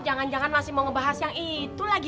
jangan jangan masih mau ngebahas yang itu lagi